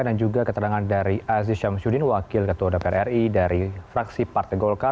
dan juga keterangan dari aziz syamsuddin wakil ketua dpr ri dari fraksi partai golkar